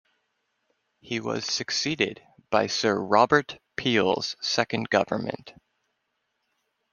He was succeeded by Sir Robert Peel's second government.